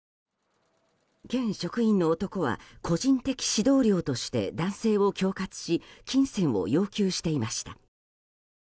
県職員の男は個人的指導料として男性を恐喝し金銭を要求していました。